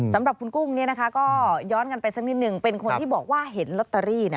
สำหรับคุณกุ้งก็ย้อนกันไปสักนิดนึงเป็นคนที่บอกว่าเห็นลอตเตอรี่